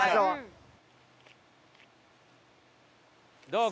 どう？